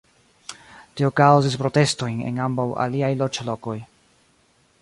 Tio kaŭzis protestojn en ambaŭ aliaj loĝlokoj.